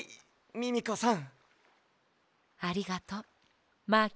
ミミコさん。